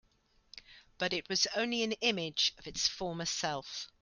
But it was only an image of its former self.